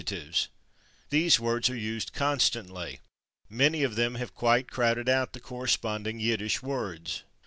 These words are used constantly; many of them have quite crowded out the corresponding Yiddish words.